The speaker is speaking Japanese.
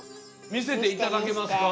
見せていただけますか？